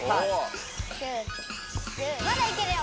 まだいけるよ。